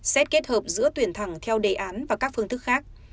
xét kết hợp giữa tuyển thẳng theo đề án và các phương thức khác